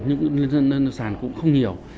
nhưng sàn cũng không nhiều